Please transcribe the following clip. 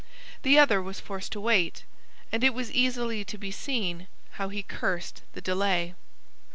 The other was forced to wait, and it was easily to be seen how he cursed the delay.